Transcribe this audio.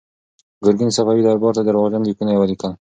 ګورګین صفوي دربار ته درواغجن لیکونه ولیکل.